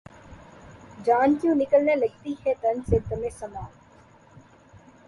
جاں کیوں نکلنے لگتی ہے تن سے‘ دمِ سماع